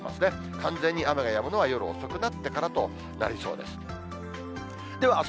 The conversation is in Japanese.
完全に雨がやむのは夜遅くになってからとなりそうです。